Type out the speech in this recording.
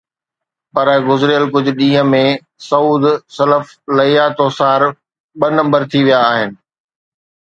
پر گذريل ڪجهه ڏينهن ۾ سعود سلف ليا توسار ٻه نمبر ٿي ويا آهن.